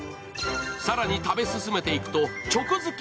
更に食べ進めていくとチョコ好き